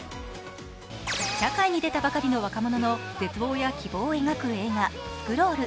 社会に出たばかりの若者の希望や絶望を描く映画「スクロール」